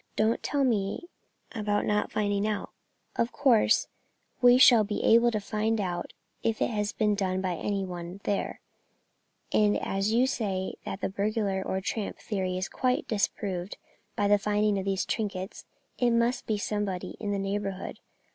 Don't tell me about not finding out; of course we shall be able to find out if it has been done by any one down there; and as you say that the burglar or tramp theory is quite disproved by the finding of these trinkets, it must be somebody in the neighbourhood.